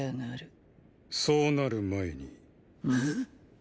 そうなる前にーー。！